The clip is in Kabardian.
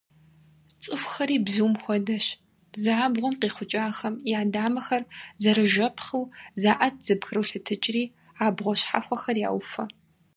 ЦӀыхухэри бзум хуэдэщ: зы абгъуэм къихъукӀахэм, я дамэхэр зэрыжэпхъыу, заӀэт зэбгролъэтыкӀри, абгъуэ щхьэхуэхэр яухуэ.